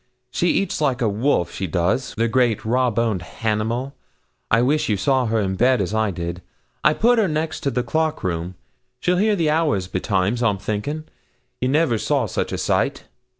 She eats like a wolf, she does, the great raw boned hannimal. I wish you saw her in bed as I did. I put her next the clock room she'll hear the hours betimes, I'm thinking. You never saw such a sight.